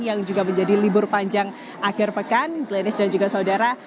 yang juga menjadi libur panjang akhir pekan glenis dan juga saudara